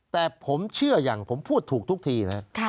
แต่ผมเชื่ออย่างผมพูดถูกทุกทีนะ